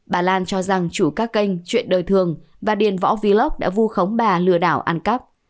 bà lan cho rằng chủ các kênh chuyện đời thường và điền võ vylock đã vu khống bà lừa đảo ăn cắp